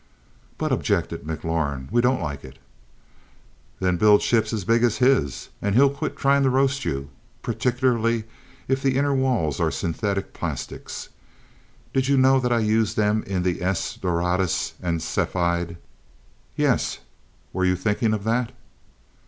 "But," objected McLaurin, "we don't like it." "Then build ships as big as his, and he'll quit trying to roast you. Particularly if the inner walls are synthetic plastics. Did you know I used them in the 'S Doradus' and 'Cepheid'?" "Yes. Were you thinking of that?"